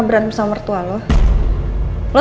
aku bakal asing kamu tahu